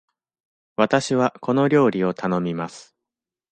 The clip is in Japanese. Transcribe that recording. わたしはこの料理を頼みます。